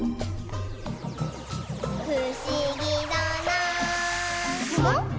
「ふしぎだなぁ」